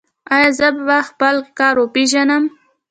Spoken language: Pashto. ایا زه به خپل کور وپیژنم؟